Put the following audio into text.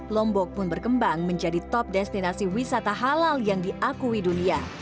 lombok pun berkembang menjadi top destinasi wisata halal yang diakui dunia